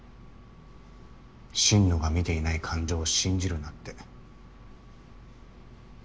心野が見ていない感情を信じるなって。